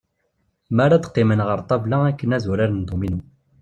Mi ara d-qqimen ɣer ṭṭabla akken ad uraren dduminu.